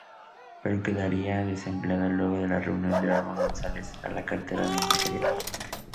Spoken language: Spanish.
Pero quedaría desempleada luego de la renuncia de Erman González a la cartera ministerial.